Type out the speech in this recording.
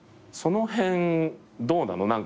その辺どうなの？